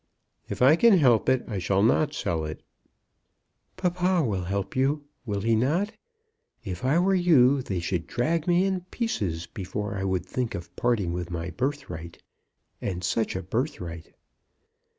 "If I can help it, I shall not sell it." "Papa will help you; will he not? If I were you they should drag me in pieces before I would part with my birthright; and such a birthright!"